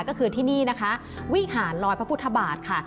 ก็คือที่นี่นะคะวิหารลอยพระพุทธบาทค่ะ